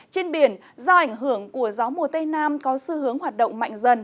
trên biển do ảnh hưởng của gió mùa tây nam có xu hướng hoạt động mạnh dần